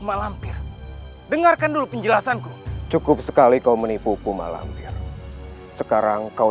malampir dengarkan dulu penjelasanku cukup sekali kau menipuku malampir sekarang kau